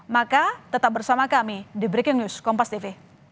maka tetap bersama kami di breaking news kompas tv